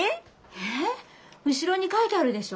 後ろに書いてあるでしょ。